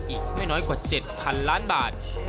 อีกไม่น้อยกว่า๗๐๐๐ล้านบาท